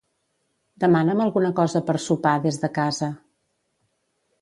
Demana'm alguna cosa per sopar des de casa.